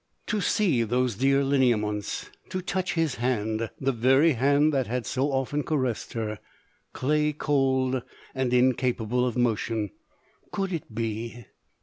To see those dear lineaments — to touch his hand the very hand that had so often caressed her, clay cold and incapable of motion ! Could it be